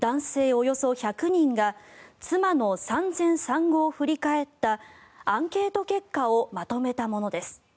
およそ１００人が妻の産前産後を振り返ったアンケート結果をまとめたものです。